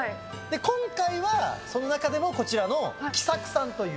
今回はその中でもこちらのきさくさんという。